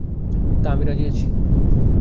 তা আমি রাজি আছি।